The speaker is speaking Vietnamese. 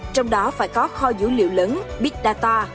trong đó phải có kho dữ liệu lớn big data